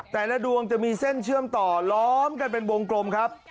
แต่ละดวงจะมีเส้นเชื่อมต่อล้อมกันเป็นวงกลมครับ